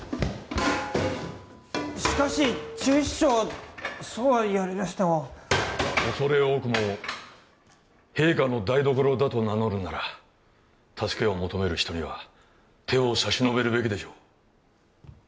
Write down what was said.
しかし厨司長そうは言われましてもおそれ多くも陛下の台所だと名乗るなら助けを求める人には手を差し伸べるべきでしょう